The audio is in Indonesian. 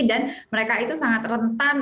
dan mereka itu sangat rentan